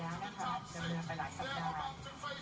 ข้อมูลเข้ามาดูครับ